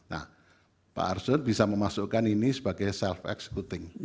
nah pak arsul bisa memasukkan ini sebagai self excuting